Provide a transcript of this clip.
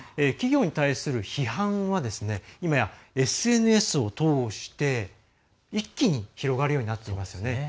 企業に対する批判はいまや、ＳＮＳを通して一気に広がるようになっていますよね。